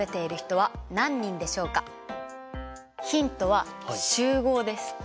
ヒントは「集合」です。